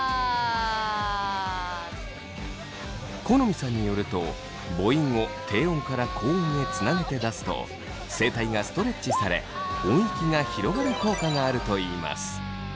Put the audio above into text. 許斐さんによると母音を低音から高音へつなげて出すと声帯がストレッチされ音域が広がる効果があるといいます。